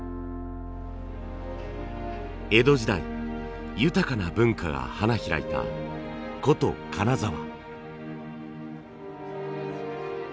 江戸時代豊かな文化が花開いた古都金沢。